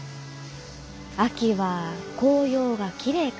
秋は紅葉がきれいかな。